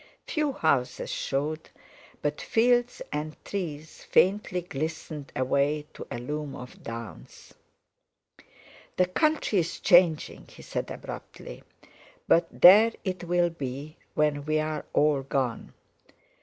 Few houses showed, but fields and trees faintly glistened, away to a loom of downs. "The country's changing," he said abruptly, "but there it'll be when we're all gone.